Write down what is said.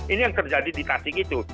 ini yang terjadi di tasik itu